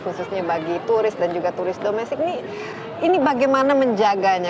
khususnya bagi turis dan juga turis domestik ini bagaimana menjaganya